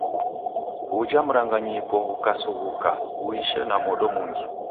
Ghuja mranganyiko ghukasaghuka, ghuishe na modo mungi.